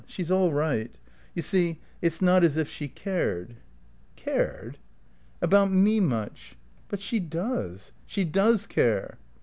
She's all right. You see, it's not as if she cared." "Cared?" "About me much." "But she does, she does care!"